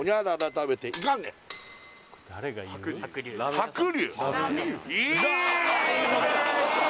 白龍？